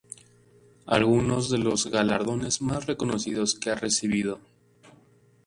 Algunos de los galardones más reconocidos que ha recibido